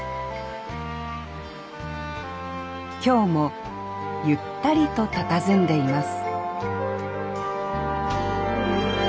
今日もゆったりとたたずんでいます